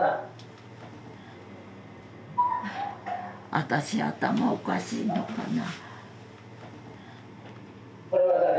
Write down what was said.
あたし頭おかしいのかな？